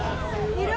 いる？